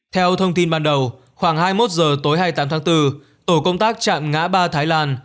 theo thông tin ban đầu khoảng hai mươi một h tối hai mươi tám tháng bốn tổ công tác trạm ngã ba thái lan